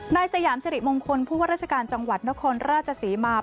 สยามสิริมงคลผู้ว่าราชการจังหวัดนครราชศรีมา